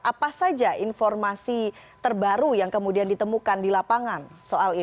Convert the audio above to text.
apa saja informasi terbaru yang kemudian ditemukan di lapangan soal ini